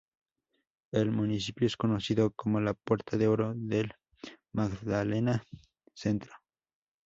El municipio es conocido como la Puerta de Oro del Magdalena Centro.